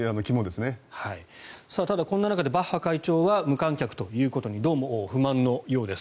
ただ、そんな中でバッハ会長は無観客ということに不満のようです。